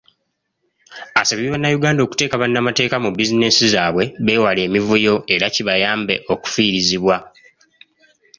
Asabye bannayuganda okuteeka bannamateeka mu bbiizinensi zaabwe beewale emivuyo era kibayambe okufiirizibwa.